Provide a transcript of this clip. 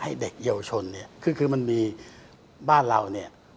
ให้เด็กเยียวชนเนี่ยคือมันมีบ้านเรานี่